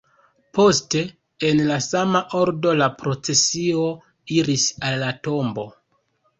Poste en la sama ordo la procesio iris al la tombo.